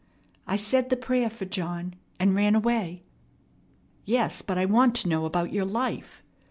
I said the prayer for John, and ran away." "Yes, but I want to know about your life.